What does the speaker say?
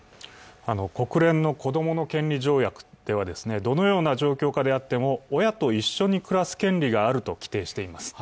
国連の子どもの権利条約では、どのような状況下であっても親と一緒に暮らす権利があると規定しています。